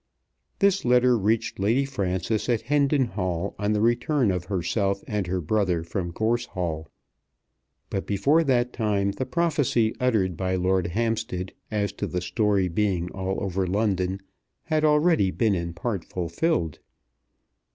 This letter reached Lady Frances at Hendon Hall on the return of herself and her brother from Gorse Hall. But before that time the prophecy uttered by Lord Hampstead as to the story being all over London had already been in part fulfilled.